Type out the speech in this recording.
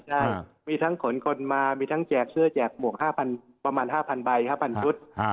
ใช่มีทั้งขนคนมามีทั้งแจกเสื้อแจกหมวกประมาณ๕๐๐ใบ๕๐๐ชุด